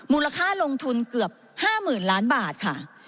มูลค่าลงทุนเกือบ๕๐๐๐ล้านบาทค่ะ